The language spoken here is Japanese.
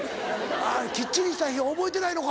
きっちりした日を覚えてないのか。